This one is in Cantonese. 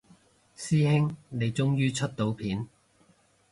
師兄你終於出到片